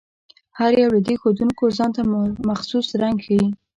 هر یو له دې ښودونکو ځانته مخصوص رنګ ښيي.